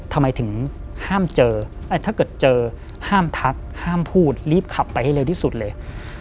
ทำไมถึงห้ามเจอถ้าเกิดเจอห้ามทักห้ามพูดรีบขับไปให้เร็วที่สุดเลย